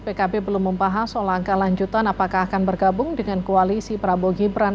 pkb belum membahas soal langkah lanjutan apakah akan bergabung dengan koalisi prabowo gibran